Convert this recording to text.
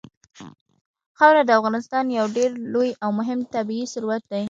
خاوره د افغانستان یو ډېر لوی او مهم طبعي ثروت دی.